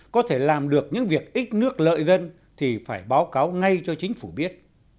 có thể làm được những việc ít nước lợi dân thì phải báo cáo ngay cho chính phủ biết